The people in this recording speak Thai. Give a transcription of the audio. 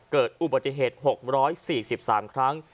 เกิดอุบัติเหตุ๖๔๓ครั้ง